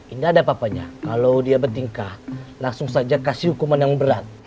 ini ada apa apanya kalau dia bertingkah langsung saja kasih hukuman yang berat